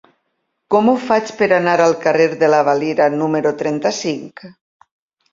Com ho faig per anar al carrer de la Valira número trenta-cinc?